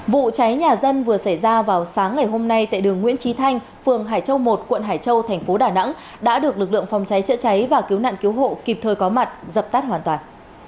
vụ cháy nhà dân vừa xảy ra vào sáng ngày hôm nay tại đường nguyễn trí thanh phường hải châu một quận hải châu thành phố đà nẵng đã được lực lượng phòng cháy chữa cháy và cứu nạn cứu hộ kịp thời có mặt dập tắt hoàn toàn